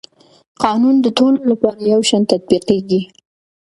قانون د ټولو لپاره یو شان تطبیقېږي.